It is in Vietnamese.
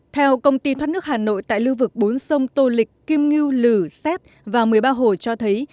theo công ty thoát nước hà nội tại lưu vực bốn sông tô lịch kim ngư lử xét và một mươi ba hồ cho thấy